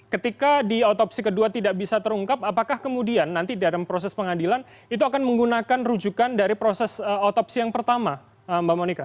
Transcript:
ketika di otopsi kedua tidak bisa terungkap apakah kemudian nanti dalam proses pengadilan itu akan menggunakan rujukan dari proses otopsi yang pertama mbak monika